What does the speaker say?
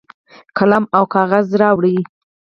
قلم او کاغذ راوړي.